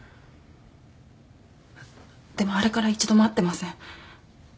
でもあれから一度も会ってません。